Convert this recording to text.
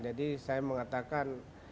jadi saya mengatakan